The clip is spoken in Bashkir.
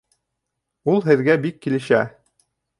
Ул һеҙгә бик килешә!